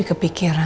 aku mau ke rumah